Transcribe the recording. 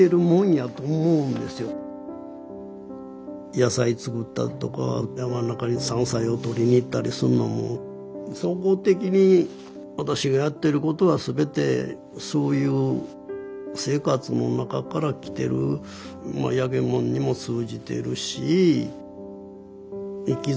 野菜作ったりとか山の中に山菜を採りにいったりするのも総合的に私がやってることは全てそういう生活の中からきてる焼きものにも通じてるし生きざまみたいなもんでしょうね。